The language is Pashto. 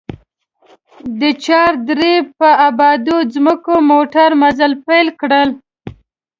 د چار درې په ابادو ځمکو موټر مزل پيل کړ.